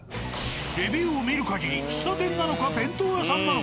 レビューを見るかぎり喫茶店なのか弁当屋さんなのか